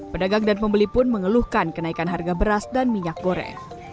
pedagang dan pembeli pun mengeluhkan kenaikan harga beras dan minyak goreng